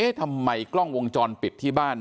ทำไมกล้องวงจรปิดที่บ้าน